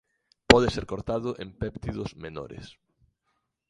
Pode ser cortado en péptidos menores.